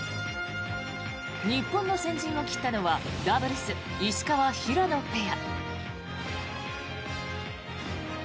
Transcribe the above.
日本の先陣を切ったのはダブルス、石川・平野ペア。